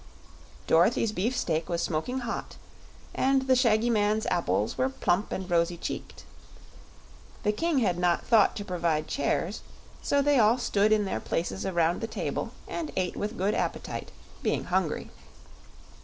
Dorothy's beefsteak was smoking hot, and the shaggy man's apples were plump and rosy cheeked. The King had not thought to provide chairs, so they all stood in their places around the table and ate with good appetite, being hungry.